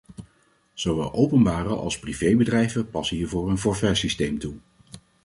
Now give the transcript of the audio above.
Zowel openbare als privé-bedrijven passen hiervoor een forfaitsysteem toe.